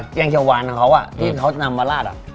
แกงเชียวหวานของเค้าอ่ะที่เค้านำมาราชอ่ะ